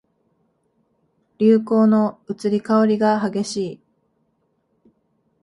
流行の移り変わりが激しい